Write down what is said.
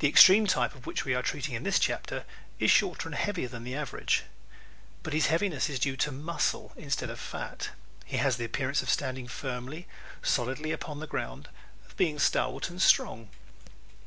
The extreme type, of which we are treating in this chapter, is shorter and heavier than the average. But his heaviness is due to muscle instead of fat. He has the appearance of standing firmly, solidly upon the ground, of being stalwart and strong.